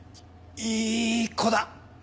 いい子だ！